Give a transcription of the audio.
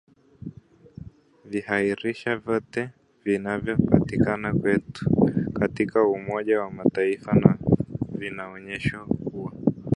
Viashiria vyote vinavyopatikana kwetu katika umoja wa Mataifa na vinaonyesha kuwa